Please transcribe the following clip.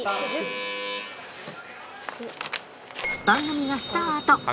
番組がスタート。